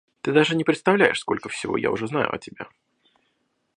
Ты даже не представляешь, сколько всего я уже знаю о тебе.